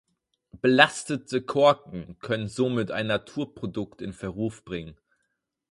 Belastete Korken könnten somit ein Naturprodukt in Verruf bringen.